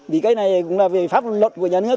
vì cái này cũng là về pháp luật của nhà nước